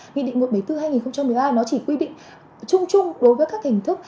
nghị định một trăm bảy mươi bốn hai nghìn một mươi hai nó chỉ quy định chung chung đối với các hình thức